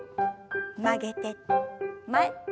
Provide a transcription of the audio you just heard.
曲げて前。